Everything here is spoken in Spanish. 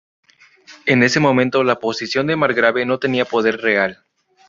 En ese momento, la posición de margrave no tenía poder real.